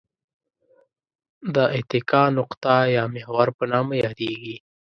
د اتکا نقطه یا محور په نامه یادیږي.